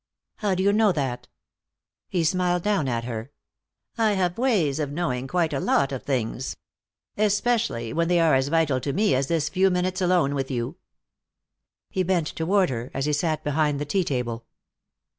"How do you know that?" He smiled down at her. "I have ways of knowing quite a lot of things. Especially when they are as vital to me as this few minutes alone with you." He bent toward her, as he sat behind the tea table.